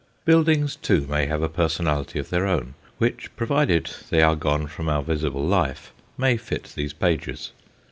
Buildings, too, may have a personality of their own, which, provided they are gone from our visible life, may fit these pages.